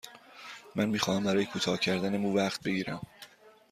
من می خواهم برای کوتاه کردن مو وقت بگیرم.